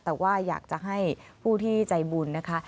แต่ว่าอยากจะให้ผู้ที่ใจบุญนะคะ